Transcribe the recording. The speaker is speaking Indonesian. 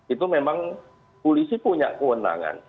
itu memang polisi punya kewenangan